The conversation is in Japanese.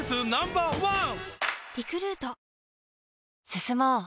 進もう。